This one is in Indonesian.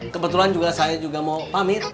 kebetulan saya juga mau pamit